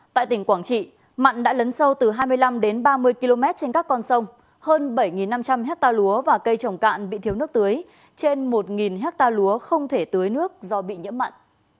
tại tỉnh quảng trị mặn đã lấn sâu từ hai mươi năm đến ba mươi km trên các con sông hơn bảy năm trăm linh hectare lúa và cây trồng cạn bị thiếu nước tưới trên một hectare lúa không thể tưới nước do bị nhiễm mặn